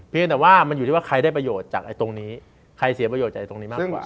เพียงแต่ว่ามันอยู่ที่ว่าใครได้ประโยชน์จากตรงนี้ใครเสียประโยชน์จากตรงนี้มากกว่า